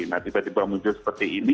nah tiba tiba muncul seperti ini